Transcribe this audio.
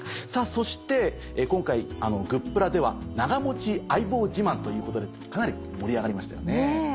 そして今回「＃グップラ」では長持ち相棒自慢ということでかなり盛り上がりましたよね。